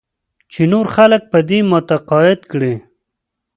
چې نور خلک په دې متقاعد کړې.